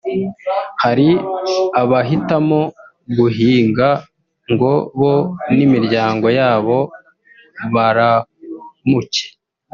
hari abahitamo guhinga ngo bo n’imiryango yabo baramuke